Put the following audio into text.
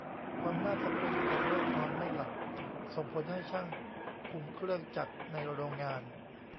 ความน่าสะพรึงของโรคนอนไม่หลับส่งผลให้ช่างคุมเครื่องจักรในโรงงาน